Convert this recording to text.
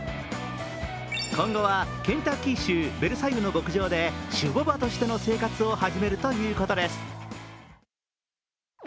今後はケンタッキー州ベルサイユの牧場で種牡馬としての生活を始めるということです。